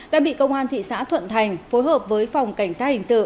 đã bị công an thị xã thuận thành phối hợp với phòng cảnh sát hình sự